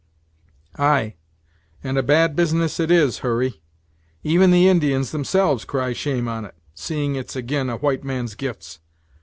"Ay, and a bad business it is, Hurry. Even the Indians themselves cry shame on it, seeing it's ag'in a white man's gifts.